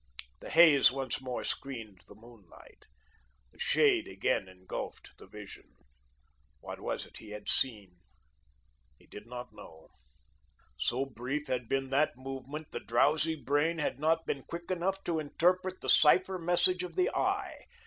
The haze once more screened the moonlight. The shade again engulfed the vision. What was it he had seen? He did not know. So brief had been that movement, the drowsy brain had not been quick enough to interpret the cipher message of the eye.